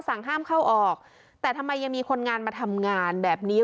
สั่งห้ามเข้าออกแต่ทำไมยังมีคนงานมาทำงานแบบนี้